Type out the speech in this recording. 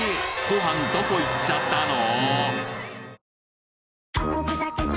ご飯どこいっちゃったの？